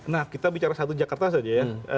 nah kita bicara satu jakarta saja ya